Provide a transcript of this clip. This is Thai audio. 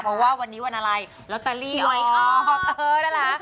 เพราะว่าวันนี้วันอะไรลอตเตอรี่อ๋อเออนั่นแหละ